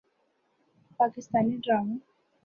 پاکستانی ڈراموں